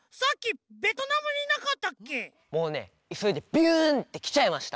もうねいそいでびゅんってきちゃいました。